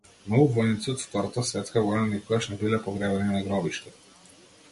Многу војници од Втората светска војна никогаш не биле погребани на гробишта.